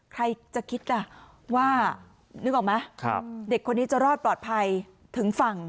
ใครจะคิดล่ะว่านึกออกไหมเด็กคนนี้จะรอดปลอดภัยถึงฝั่ง